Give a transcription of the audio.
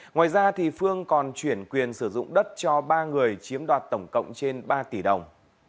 ngoài ra phương còn chuyển quyền sử dụng đất cho ba người chiếm đoạt tổng cộng trên ba tỷ đồng